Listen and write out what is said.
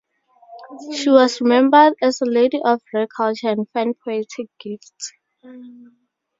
She was remembered as "a lady of rare culture and fine poetic gifts".